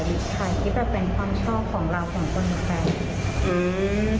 มันเป็นสถานีสถานีแบบเป็นความชอบของเราของคนหรือใครอืม